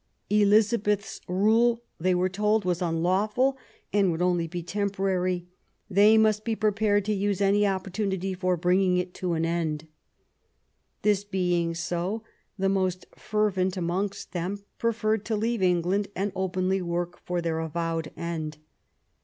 Elizabeth's rule, they were told, was unlawful and would be only temporary ; they must be prepared to use any opportunity for bringing it to an end. This being so, the most fervent amongst them preferred to leave England and openly work for their avowed end.